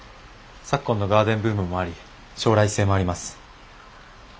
昨今のガーデンブームもあり将来性もあります。